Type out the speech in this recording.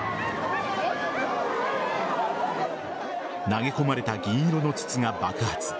投げ込まれた銀色の筒が爆発。